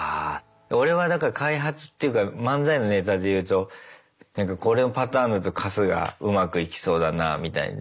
俺はだから開発っていうか漫才のネタでいうとこのパターンだと春日うまくいきそうだなみたいんで。